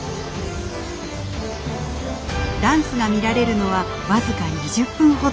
ダンスが見られるのは僅か２０分ほど。